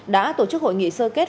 đã tổ chức hội nghị sơ kết